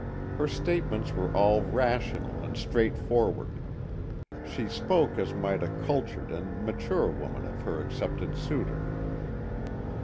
Her statements were all rational and straightforward. She spoke as might a cultured and mature woman of her accepted suitor.